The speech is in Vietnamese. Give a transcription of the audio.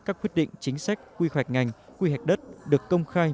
các quyết định chính sách quy hoạch ngành quy hoạch đất được công khai